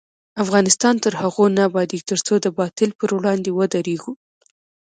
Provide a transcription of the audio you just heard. افغانستان تر هغو نه ابادیږي، ترڅو د باطل پر وړاندې ودریږو.